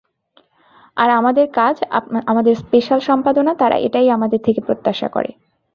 আর আমাদের কাজ, আমাদের স্পেশাল সম্পাদনা, তারা এটাই আমাদের থেকে প্রত্যাশা করে।